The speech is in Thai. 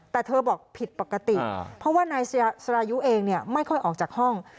แต่เธอบอกผิดปกติเพราะว่านายสรายุเองไม่ค่อยออกจากห้อง